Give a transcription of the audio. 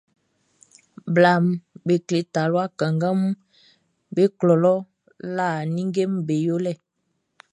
Blaʼm be kle talua kannganʼm be klɔ lɔ lã ninngeʼm be yolɛ.